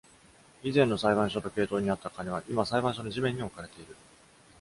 以前の裁判所時計塔にあった鐘は今、裁判所の地面に置かれている。